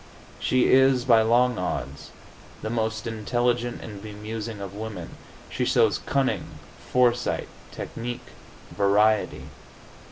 She is, by long odds, the most intelligent and bemusing of women. She shows cunning, foresight, technique, variety.